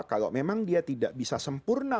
kalau memang dia tidak bisa sempurna